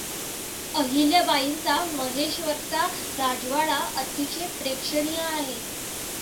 अहिल्याबाईंचा महेश्वरचा राजवाडा अतिशय प्रेक्षणीय आहे.